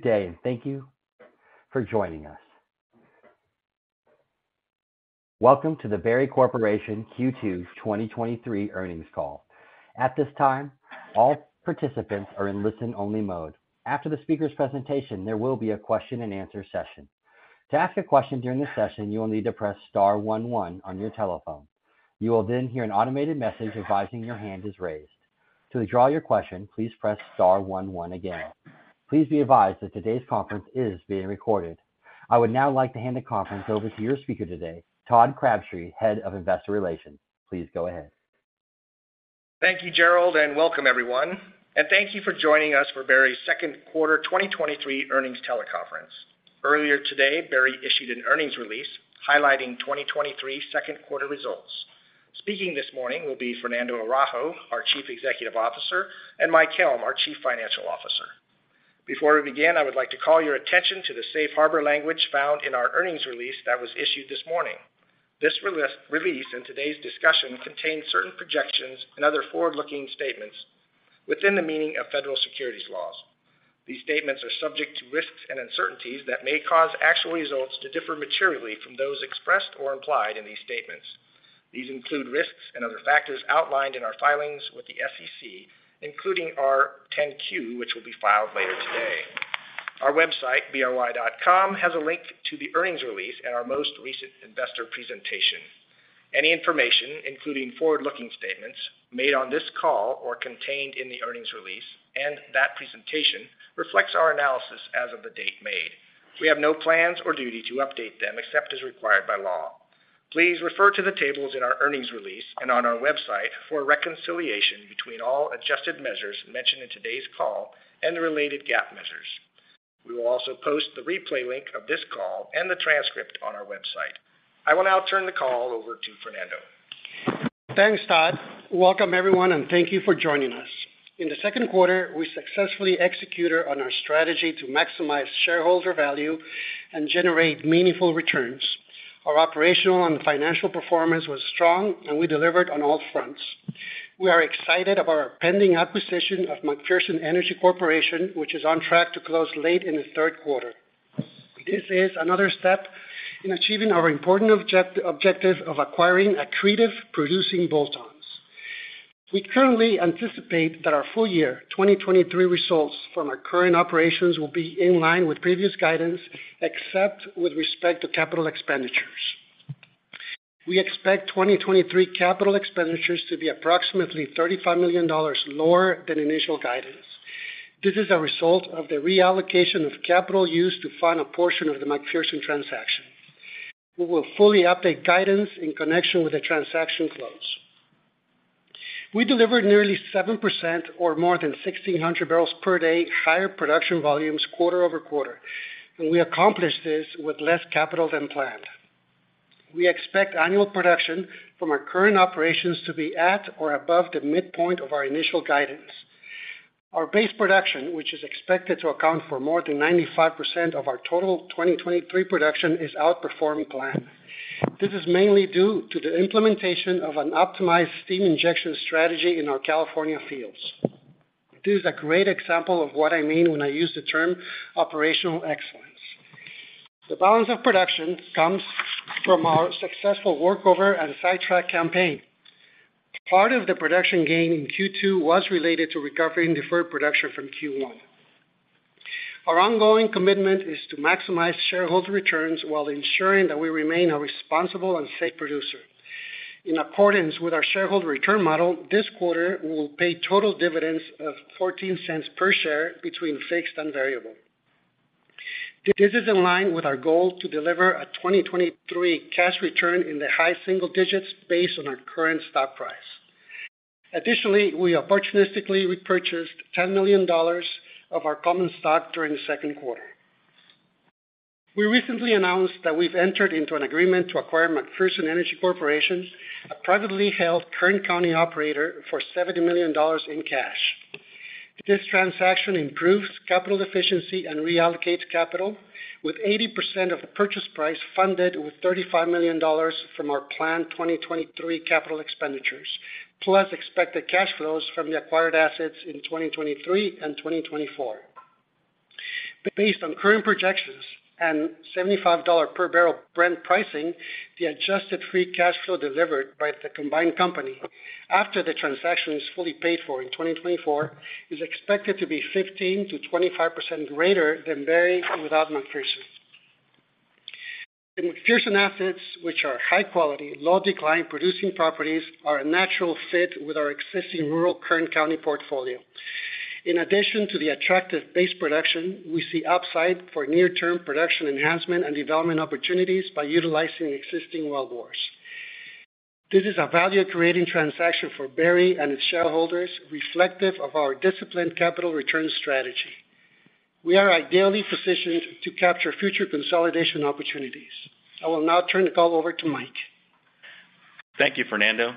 Good day, and thank you for joining us. Welcome to the Berry Corporation Q2 2023 Earnings call. At this time, all participants are in listen-only mode. After the speaker's presentation, there will be a question-and-answer session. To ask a question during the session, you will need to press star one, one on your telephone. You will then hear an automated message advising your hand is raised. To withdraw your question, please press star one, one again. Please be advised that today's conference is being recorded. I would now like to hand the conference over to your speaker today, Todd Crabtree, Head of Investor Relations. Please go ahead. Thank you, Gerald, and welcome everyone, and thank you for joining us for Berry's second quarter 2023 earnings teleconference. Earlier today, Berry issued an earnings release highlighting 2023 2nd quarter results. Speaking this morning will be Fernando Araujo, our Chief Executive Officer, and Mike Helm, our Chief Financial Officer. Before we begin, I would like to call your attention to the safe harbor language found in our earnings release that was issued this morning. This release in today's discussion contains certain projections and other forward-looking statements within the meaning of federal securities laws. These statements are subject to risks and uncertainties that may cause actual results to differ materially from those expressed or implied in these statements. These include risks and other factors outlined in our filings with the SEC, including our 10-Q, which will be filed later today. Our website, bry.com, has a link to the earnings release and our most recent investor presentation. Any information, including forward-looking statements, made on this call or contained in the earnings release and that presentation reflects our analysis as of the date made. We have no plans or duty to update them except as required by law. Please refer to the tables in our earnings release and on our website for a reconciliation between all adjusted measures mentioned in today's call and the related GAAP measures. We will also post the replay link of this call and the transcript on our website. I will now turn the call over to Fernando. Thanks, Todd. Welcome, everyone, and thank you for joining us. In the second quarter, we successfully executed on our strategy to maximize shareholder value and generate meaningful returns. Our operational and financial performance was strong, and we delivered on all fronts. We are excited about our pending acquisition of Macpherson Energy Corporation, which is on track to close late in the third quarter. This is another step in achieving our important objective of acquiring accretive, producing bolt-ons. We currently anticipate that our full year 2023 results from our current operations will be in line with previous guidance, except with respect to capital expenditures. We expect 2023 capital expenditures to be approximately $35 million lower than initial guidance. This is a result of the reallocation of capital used to fund a portion of the Macpherson transaction. We will fully update guidance in connection with the transaction close. We delivered nearly 7% or more than 1,600 barrels per day, higher production volumes quarter-over-quarter. We accomplished this with less capital than planned. We expect annual production from our current operations to be at or above the midpoint of our initial guidance. Our base production, which is expected to account for more than 95% of our total 2023 production, is outperforming plan. This is mainly due to the implementation of an optimized steam injection strategy in our California fields. This is a great example of what I mean when I use the term operational excellence. The balance of production comes from our successful workover and sidetrack campaign. Part of the production gain in Q2 was related to recovering deferred production from Q1. Our ongoing commitment is to maximize shareholder returns while ensuring that we remain a responsible and safe producer. In accordance with our shareholder return model, this quarter, we will pay total dividends of $0.14 per share between fixed and variable. This is in line with our goal to deliver a 2023 cash return in the high single digits based on our current stock price. We opportunistically repurchased $10 million of our common stock during the second quarter. We recently announced that we've entered into an agreement to acquire Macpherson Energy Corporation, a privately held Kern County operator, for $70 million in cash. This transaction improves capital efficiency and reallocates capital, with 80% of the purchase price funded with $35 million from our planned 2023 capital expenditures, plus expected cash flows from the acquired assets in 2023 and 2024. Based on current projections and $75 per barrel brand pricing, the adjusted free cash flow delivered by the combined company after the transaction is fully paid for in 2024, is expected to be 15%-25% greater than Berry without MacPherson. The MacPherson assets, which are high quality, low decline producing properties, are a natural fit with our existing rural Kern County portfolio. In addition to the attractive base production, we see upside for near-term production enhancement and development opportunities by utilizing existing wellbores. This is a value-creating transaction for Berry and its shareholders, reflective of our disciplined capital return strategy. We are ideally positioned to capture future consolidation opportunities. I will now turn the call over to Mike. Thank you, Fernando.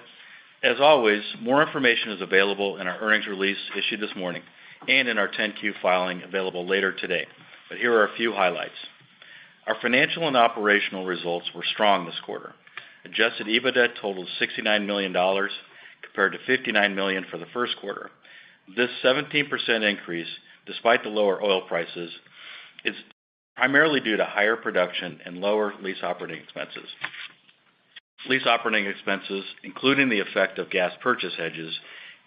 As always, more information is available in our earnings release issued this morning and in our 10-Q filing available later today. Here are a few highlights. ...Our financial and operational results were strong this quarter. Adjusted EBITDA totaled $69 million, compared to $59 million for the first quarter. This 17% increase, despite the lower oil prices, is primarily due to higher production and lower Lease Operating Expenses. Lease Operating Expenses, including the effect of gas purchase hedges,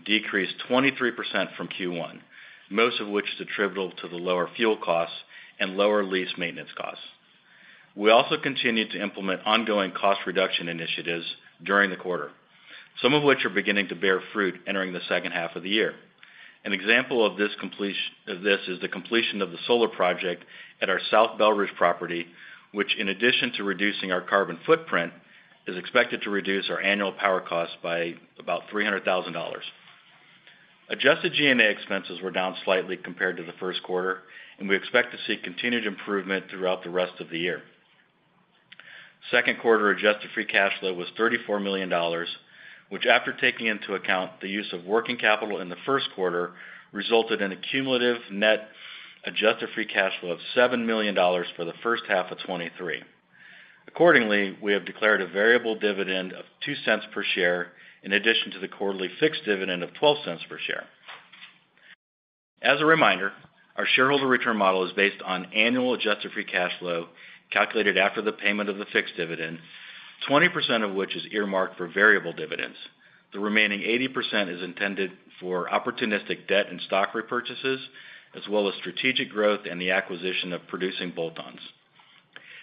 decreased 23% from Q1, most of which is attributable to the lower fuel costs and lower lease maintenance costs. We also continued to implement ongoing cost reduction initiatives during the quarter, some of which are beginning to bear fruit entering the second half of the year. An example of this is the completion of the solar project at our South Belridge property, which, in addition to reducing our carbon footprint, is expected to reduce our annual power costs by about $300,000. Adjusted G&A expenses were down slightly compared to the first quarter. We expect to see continued improvement throughout the rest of the year. Second quarter Adjusted Free Cash Flow was $34 million, which, after taking into account the use of working capital in the first quarter, resulted in a cumulative net Adjusted Free Cash Flow of $7 million for the first half of 2023. Accordingly, we have declared a variable dividend of $0.02 per share, in addition to the quarterly fixed dividend of $0.12 per share. As a reminder, our shareholder return model is based on annual Adjusted Free Cash Flow, calculated after the payment of the fixed dividend, 20% of which is earmarked for variable dividends. The remaining 80% is intended for opportunistic debt and stock repurchases, as well as strategic growth and the acquisition of producing bolt-ons.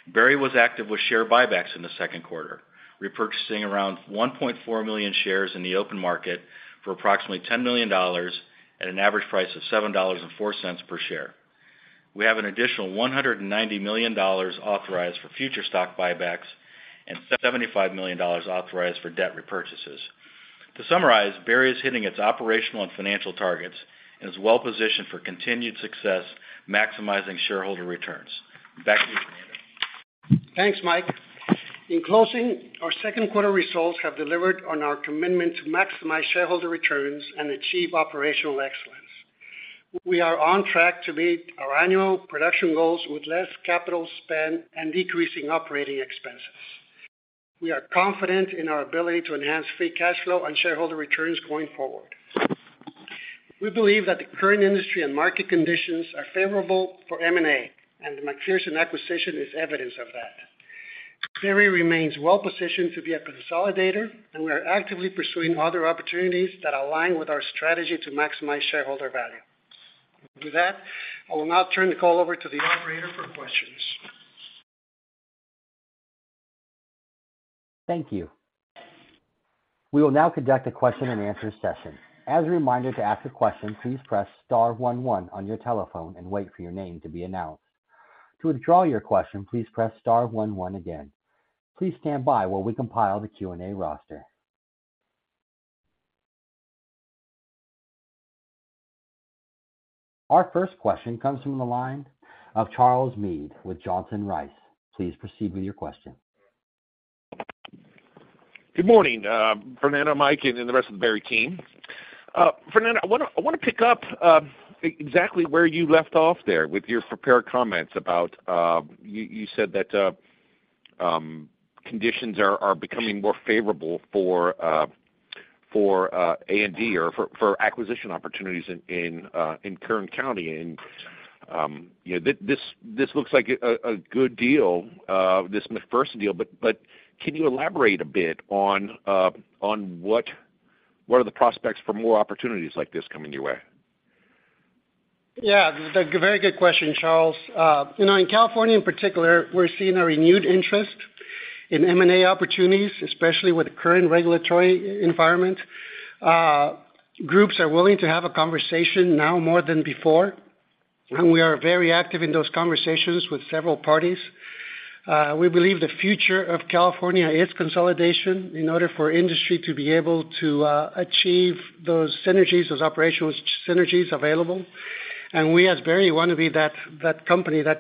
Berry was active with share buybacks in the second quarter, repurchasing around 1.4 million shares in the open market for approximately $10 million at an average price of $7.04 per share. We have an additional $190 million authorized for future stock buybacks and $75 million authorized for debt repurchases. To summarize, Berry is hitting its operational and financial targets and is well positioned for continued success, maximizing shareholder returns. Back to you, Fernando. Thanks, Mike. In closing, our second quarter results have delivered on our commitment to maximize shareholder returns and achieve operational excellence. We are on track to meet our annual production goals with less capital spend and decreasing operating expenses. We are confident in our ability to enhance free cash flow and shareholder returns going forward. We believe that the current industry and market conditions are favorable for M&A, and the Macpherson acquisition is evidence of that. Berry remains well positioned to be a consolidator, and we are actively pursuing other opportunities that align with our strategy to maximize shareholder value. With that, I will now turn the call over to the operator for questions. Thank you. We will now conduct a question-and-answer session. As a reminder, to ask a question, please press star one, one on your telephone and wait for your name to be announced. To withdraw your question, please press star one, one again. Please stand by while we compile the Q&A roster. Our first question comes from the line of Charles Meade with Johnson Rice. Please proceed with your question. Good morning, Fernando, Mike, and the rest of the Berry team. Fernando, I want to, I want to pick up exactly where you left off there with your prepared comments about you, you said that conditions are becoming more favorable for A&D or for, for acquisition opportunities in Kern County. You know, this, this looks like a good deal, this MacPherson deal. But can you elaborate a bit on what, what are the prospects for more opportunities like this coming your way? Yeah, that's a very good question, Charles. You know, in California in particular, we're seeing a renewed interest in M&A opportunities, especially with the current regulatory environment. Groups are willing to have a conversation now more than before, and we are very active in those conversations with several parties. We believe the future of California is consolidation in order for industry to be able to achieve those synergies, those operational synergies available. We, as Berry, want to be that, that company, that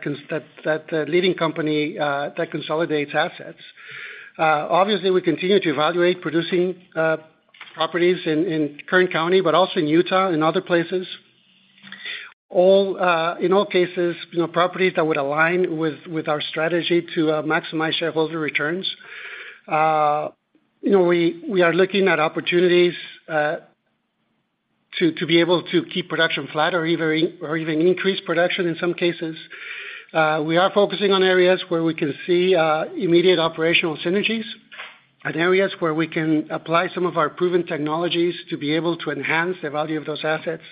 that leading company that consolidates assets. Obviously, we continue to evaluate producing properties in, in Kern County, but also in Utah and other places. All, in all cases, you know, properties that would align with, with our strategy to maximize shareholder returns. You know, we, we are looking at opportunities to be able to keep production flat or even, or even increase production in some cases. We are focusing on areas where we can see immediate operational synergies and areas where we can apply some of our proven technologies to be able to enhance the value of those assets.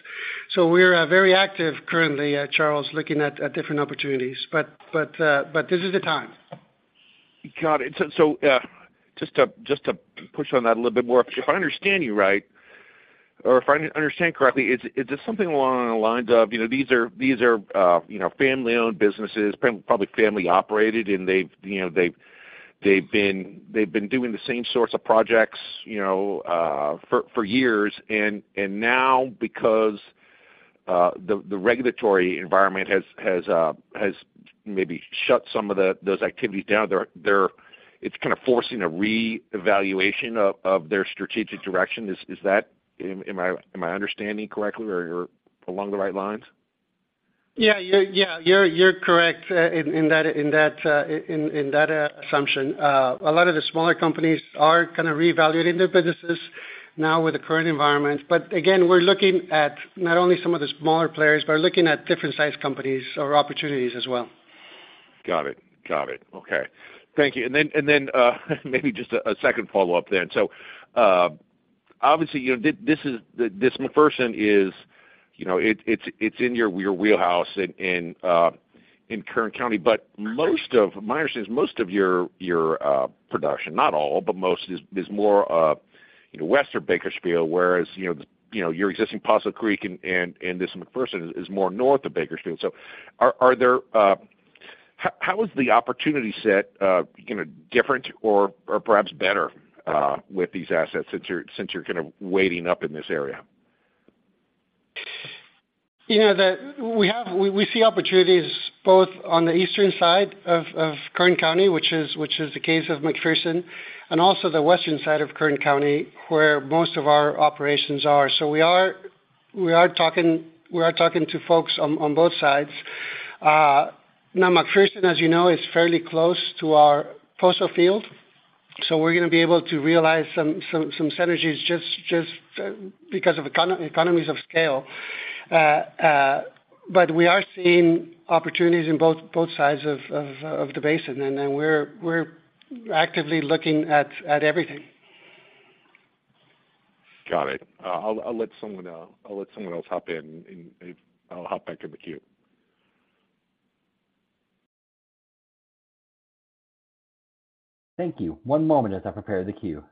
We are very active currently, Charles, looking at different opportunities, but, but, but this is the time. Got it. So, just to, just to push on that a little bit more, if I understand you right, or if I understand correctly, is, is there something along the lines of, you know, these are, these are, you know, family-owned businesses, probably family operated, and they've, you know, they've, they've been, they've been doing the same sorts of projects, you know, for, for years. And now, because the regulatory environment has, has maybe shut some of the, those activities down, it's kind of forcing a reevaluation of, of their strategic direction. Am I, am I understanding correctly or you're along the right lines? Yeah, you're, yeah, you're, you're correct in that assumption. A lot of the smaller companies are kind of reevaluating their businesses now with the current environment. Again, we're looking at not only some of the smaller players, but we're looking at different sized companies or opportunities as well. Got it. Got it. Okay. Thank you. Then, and then, maybe just a second follow-up then. Obviously, you know, this, this is the, this Macpherson is, you know, it, it's, it's in your, your wheelhouse in, in Kern County. Most of my understanding is most of your, your, production, not all, but most is, is more, you know, West of Bakersfield, whereas, you know, you know, your existing Poso Creek and, and, and this Macpherson is more north of Bakersfield. Are, are there... How, how is the opportunity set, you know, different or, or perhaps better, with these assets since you're, since you're kind of weighting up in this area? You know, we see opportunities both on the eastern side of Kern County, which is, which is the case of Macpherson, and also the western side of Kern County, where most of our operations are. We are, we are talking, we are talking to folks on, on both sides. Now, Macpherson, as you know, is fairly close to our Poso field, so we're gonna be able to realize some, some, some synergies just, just because of economies of scale. We are seeing opportunities in both, both sides of, of, of the basin, then we're, we're actively looking at, at everything. Got it. I'll, I'll let someone, I'll let someone else hop in, and I'll hop back in the queue. Thank you. One moment as I prepare the queue.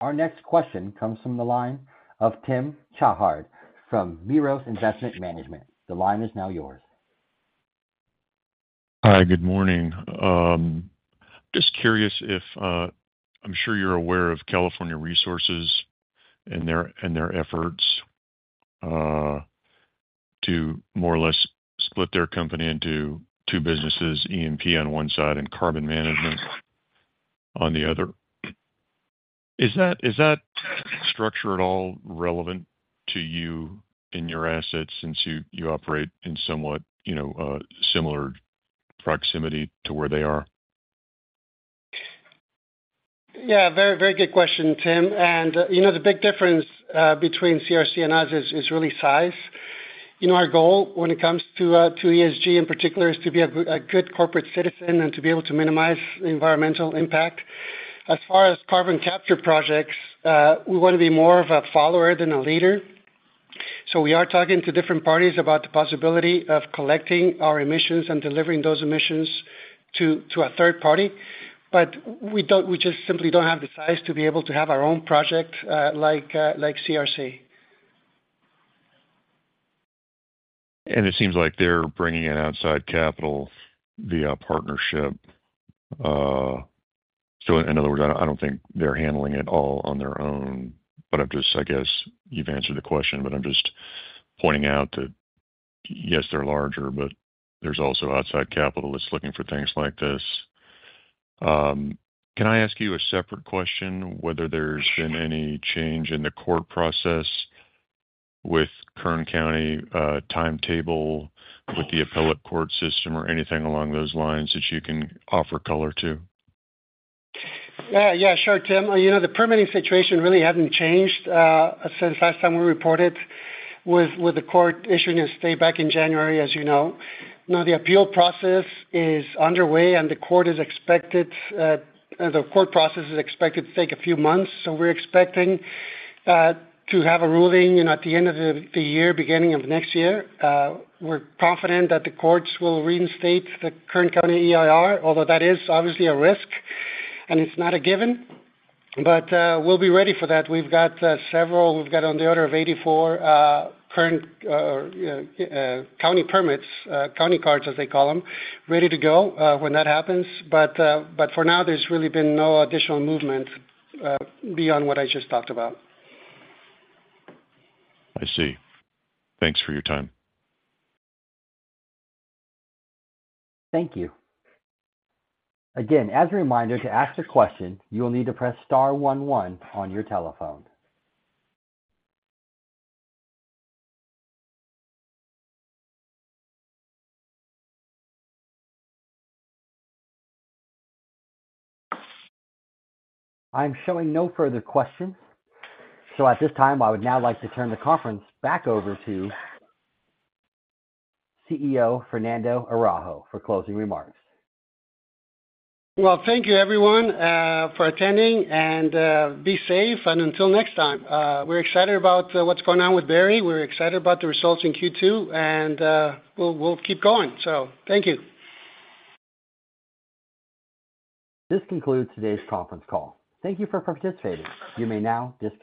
Our next question comes from the line of Timothy Chatard from Mirabaud Asset Management. The line is now yours. Hi, good morning. Just curious if... I'm sure you're aware of California Resources and their, and their efforts, to more or less split their company into two businesses, E&P on one side and carbon management on the other. Is that, is that structure at all relevant to you in your assets since you, you operate in somewhat, you know, similar proximity to where they are? Yeah, very, very good question, Tim. You know, the big difference between CRC and us is, is really size. You know, our goal when it comes to ESG in particular, is to be a good, a good corporate citizen and to be able to minimize the environmental impact. As far as carbon capture projects, we wanna be more of a follower than a leader. We are talking to different parties about the possibility of collecting our emissions and delivering those emissions to, to a third party, but we just simply don't have the size to be able to have our own project, like CRC. It seems like they're bringing in outside capital via a partnership. In other words, I, I don't think they're handling it all on their own, but I'm just... I guess you've answered the question, but I'm just pointing out that, yes, they're larger, but there's also outside capital that's looking for things like this. Can I ask you a separate question, whether there's been any change in the court process with Kern County, timetable, with the appellate court system or anything along those lines that you can offer color to? Yeah, yeah, sure, Tim. You know, the permitting situation really hasn't changed since last time we reported, with, with the court issuing a stay back in January, as you know. Now, the appeal process is underway, and the court is expected, the court process is expected to take a few months. We're expecting to have a ruling, you know, at the end of the year, beginning of next year. We're confident that the courts will reinstate the Kern County EIR, although that is obviously a risk and it's not a given. We'll be ready for that. We've got several-- we've got on the order of 84 current county permits, county cards, as they call them, ready to go when that happens. But for now, there's really been no additional movement, beyond what I just talked about. I see. Thanks for your time. Thank you. Again, as a reminder, to ask a question, you will need to press star one one on your telephone. I'm showing no further questions. At this time, I would now like to turn the conference back over to CEO Fernando Araujo for closing remarks. Well, thank you everyone, for attending, and be safe, and until next time. We're excited about what's going on with Berry. We're excited about the results in Q2, and we'll, we'll keep going. Thank you. This concludes today's conference call. Thank you for participating. You may now disconnect.